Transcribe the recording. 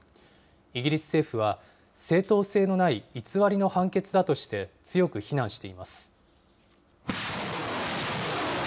イギリス政府は、正当性のない偽りの判決だとして強く非難しています。